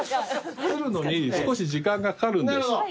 作るのに少し時間がかかるんです。